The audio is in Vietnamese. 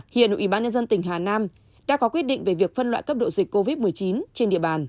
hiện ủy ban nhân dân tỉnh hà nam đã có quyết định về việc phân loại cấp độ dịch covid một mươi chín trên địa bàn